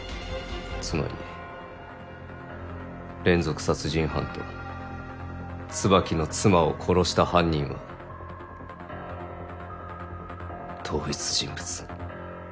つまり連続殺人犯と椿の妻を殺した犯人は同一人物。